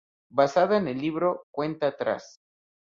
Basada en el libro "Cuenta atrás.